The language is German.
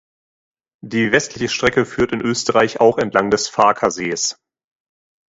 Die westliche Strecke führt in Österreich auch entlang des Faaker Sees.